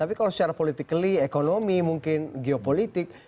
tapi kalau secara politik ekonomi mungkin geopolitik